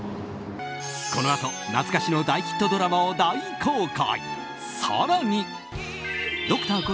このあと懐かしの大ヒットドラマを大公開。